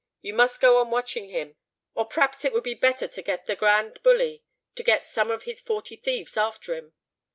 You must go on watching him. Or p'rhaps it would be better to get the Bully Grand to set some of his Forty Thieves after him?"